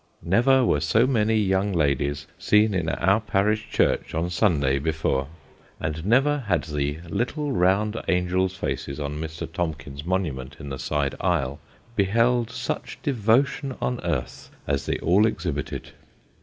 Never were so many young ladies seen in our parish church on Sunday before ; and never had the little round angels' faces on Mr. Tomkins's monument in the side aisle, beheld such devotion on earth as they all exhibited.